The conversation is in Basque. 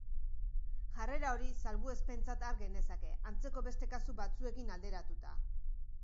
Jarrera hori salbuespentzat har genezake, antzeko beste kasu batzuekin alderatuta.